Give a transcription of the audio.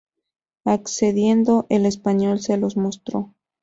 Accediendo, el español se los mostró.